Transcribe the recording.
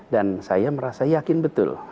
dan saya merasa yakin betul